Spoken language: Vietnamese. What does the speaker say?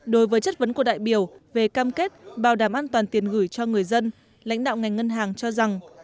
đối với chất vấn của đại biểu về cam kết bảo đảm an toàn tiền gửi cho người dân lãnh đạo ngành ngân hàng cho rằng